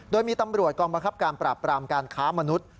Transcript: โดยมีตำรวจกองบังคับการปราบปรามการค้ามนุษย์